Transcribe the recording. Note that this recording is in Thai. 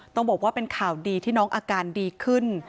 ต้องบอกว่าเป็นข่าวดีที่น้องอาการดีขึ้น